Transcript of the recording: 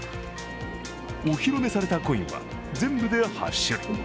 お披露目されたコインは全部で８種類。